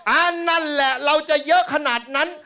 นั่นแหละเราจะเยอะขนาดนั้น